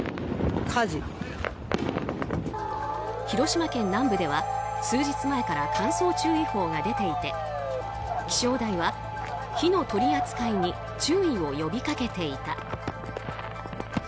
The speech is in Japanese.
広島県南部では数日前から乾燥注意報が出ていて気象台は火の取り扱いに注意を呼び掛けていた。